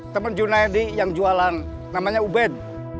temen junedi yang jualan namanya ubed